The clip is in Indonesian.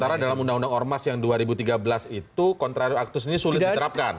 sementara dalam undang undang ormas yang dua ribu tiga belas itu kontrari aktif ini sulit diterapkan